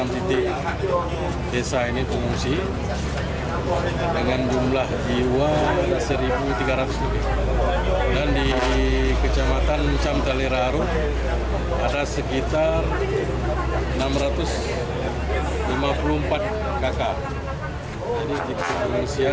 jadi di kemuliaan ada tiga